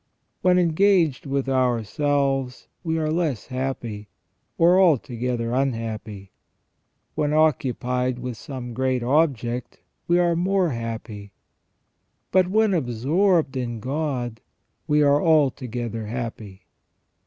When engaged with ourselves we are less happy, or altogether unhappy ; when occupied with some great object we are more happy ; but when absorbed in God we are altogether happy.